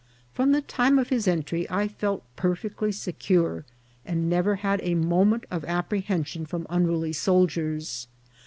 From the time of his entry I felt perfectly secure, and never had a moment of apprehension from unruly soldiers.